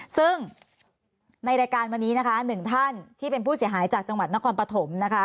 ซึ่งในรายการวันนี้นะคะหนึ่งท่านที่เป็นผู้เสียหายจากจังหวัดนครปฐมนะคะ